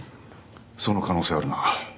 その可能性はあるな。